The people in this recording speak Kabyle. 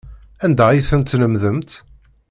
Anda ay ten-tlemdemt?